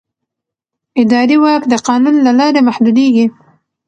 اداري واک د قانون له لارې محدودېږي.